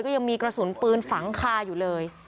ยังมีกระสุนปืนฝังคาอยู่เลย